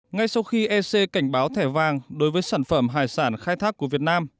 ngay sau khi ec cảnh báo thẻ vàng đối với sản phẩm hải sản khai thác của việt nam